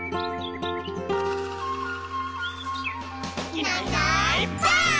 「いないいないばあっ！」